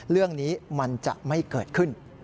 เรื่องนี้มันจะไม่เกิดขึ้น